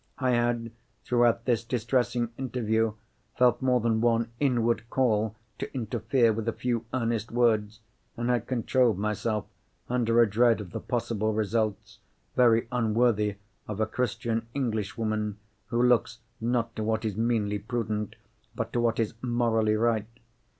I had, throughout this distressing interview, felt more than one inward call to interfere with a few earnest words, and had controlled myself under a dread of the possible results, very unworthy of a Christian Englishwoman who looks, not to what is meanly prudent, but to what is morally right.